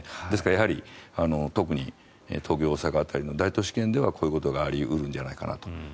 ですから特に東京、大阪辺りの大都市圏ではこういうことがあり得るんじゃないかと。